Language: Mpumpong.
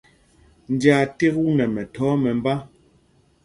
Njāā ték ú nɛ mɛthɔɔ mɛmbá.